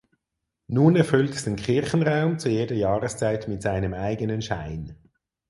Nun erfüllt es den Kirchenraum zu jeder Jahreszeit mit seinem eigenen Schein.